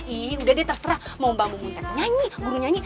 ih udah deh terserah mau bangun teh nyanyi guru nyanyi